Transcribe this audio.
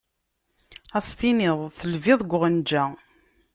Ad s-tiniḍ telbiḍ deg uɣenǧa.